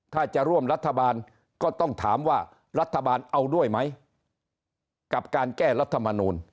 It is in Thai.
ถ้าจะร่วมรัฐบาลก็ต้องถามว่ารัฐบาลเอาด้วยไหมกับการแก้รัฐมนูล